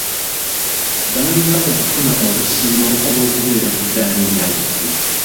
Balina okufuna obusiimo olw'okubeera ku daala erya waggulu.